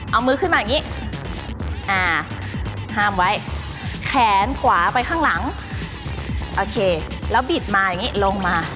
เอามือขึ้นมาอย่างนี้อ่าห้ามไว้แขนขวาไปข้างหลังโอเคแล้วบิดมาอย่างนี้ลงมา